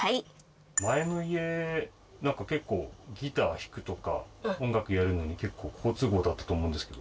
前の家結構ギター弾くとか音楽やるのに結構好都合だったと思うんですけど。